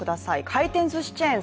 回転ずしチェーン